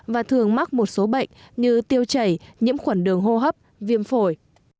và thường mắc một số bệnh như tiêu chảy nhiễm khuẩn đường hô hấp viêm phổi